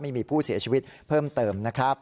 ไม่มีผู้เสียชีวิตเพิ่มเติมนะครับ